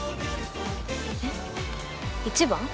えっ一番？